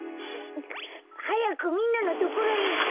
はやくみんなのところへいって！